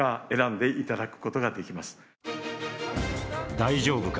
大丈夫か？